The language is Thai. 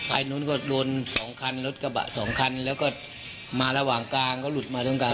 ไอ้นู้นก็โดนสองคันรถกระบะสองคันแล้วก็มาระหว่างกลางก็หลุดมาตรงกลาง